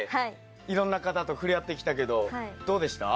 いろんな方とふれあってきたけどどうでした？